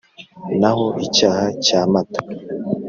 Naho icyaha cya Mata